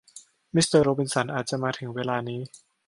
มิสเตอร์โรบินสันอาจจะมาถึงเวลานี้